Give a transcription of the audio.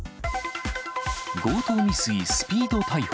強盗未遂スピード逮捕。